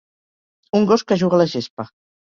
Un gos que juga a la gespa